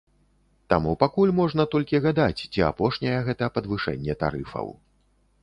Таму пакуль можна толькі гадаць, ці апошняе гэта падвышэнне тарыфаў.